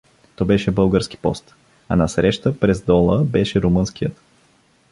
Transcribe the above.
То беше български пост, а насреща през дола беше румънският.